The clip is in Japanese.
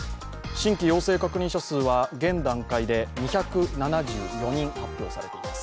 新規陽性確認者数は現段階で２７４人発表されています。